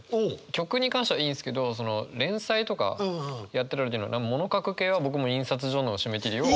曲に関してはいいんですけど連載とかやってた時のもの書く系は僕も印刷所の締め切りを。